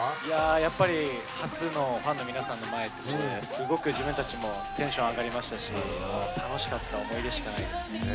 やっぱり初のファンの皆さんの前ってことですごく自分たちもテンション上がりましたし楽しかった思い出しかないですね。